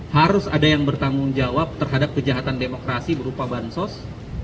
harus ada yang bertanggung jawab terhadap kejahatan demokrasi berupa bansos